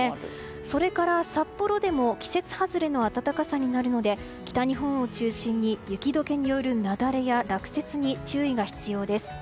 それから札幌でも季節外れの暖かさになるので北日本を中心に雪解けによる雪崩や落雪に注意が必要です。